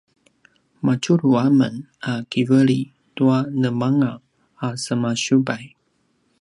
madjulu amen a kiveli tua nemanga a semasiyubay